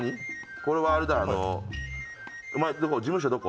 これはあれだ、お前、事務所どこ？